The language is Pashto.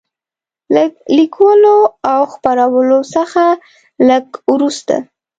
له لیکلو او خپرولو څخه لږ وروسته.